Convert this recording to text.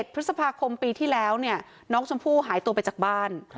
พฤษภาคมปีที่แล้วเนี่ยน้องชมพู่หายตัวไปจากบ้าน